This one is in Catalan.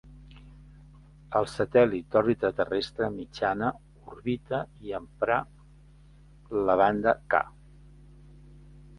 El satèl·lit d'òrbita terrestre mitjana orbita i empra la banda K.